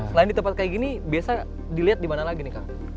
selain di tempat kayak gini biasa dilihat di mana lagi nih kang